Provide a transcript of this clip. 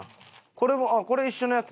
これもこれ一緒のやつ？